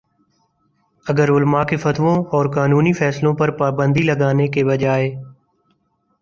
اگر علما کے فتووں اور قانونی فیصلوں پر پابندی لگانے کے بجائے